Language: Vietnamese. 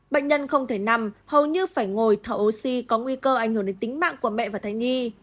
bệnh nhân không thể nằm hầu như phải ngồi thở oxy có nguy cơ ảnh hưởng đến tính mạng của mẹ và thai nhi